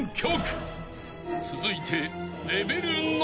［続いて］